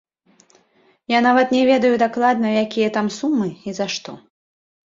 Я нават не ведаю дакладна, якія там сумы і за што.